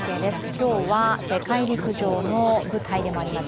今日は世界陸上の舞台でもあります